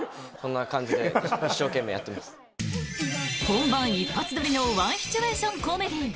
本番一発撮りのワンシチュエーションコメディー